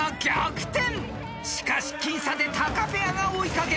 ［しかし僅差でタカペアが追い掛ける］